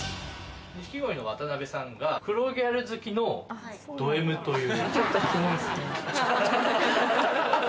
錦鯉の渡辺さんが、黒ギャル好きのドＭという。